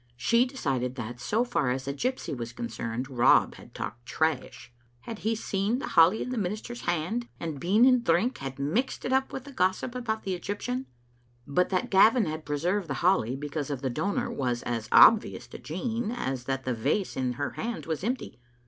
She decided that, so far as the gypsy was concerned, Rob had talked trash. He had seen the holly in the minister's hand, and, being in drink, had mixed it up with the gossip about the Egyptian. But that Gavin had preserved the holly because of the donor was as obvious to Jean as that the vase in her hand was empty.